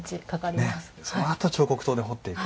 そのあと彫刻刀で彫っていく。